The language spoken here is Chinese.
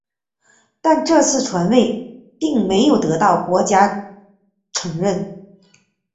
但这次传位并没有得到国际承认。